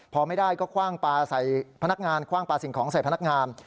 พอไม่ได้ก็คว่างปลาใส่พนักงานคว่างปลาสิ่งของใส่พนักงาน